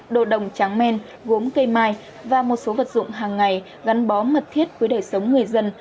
đồ đồng tráng men gốm cây mai và một số vật dụng hàng ngày gắn bó mật thiết với đời sống người dân